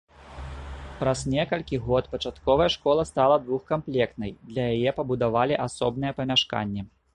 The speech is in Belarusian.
Праз некалькі год пачатковая школа стала двухкамплектнай, для яе пабудавалі асобнае памяшканне.